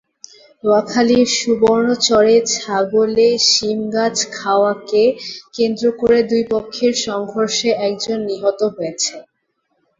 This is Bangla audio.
নোয়াখালীর সুবর্ণচরে ছাগলে শিমগাছ খাওয়াকে কেন্দ্র করে দুই পক্ষের সংঘর্ষে একজন নিহত হয়েছে।